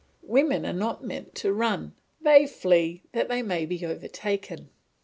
Women were not meant to run; they flee that they may be overtaken.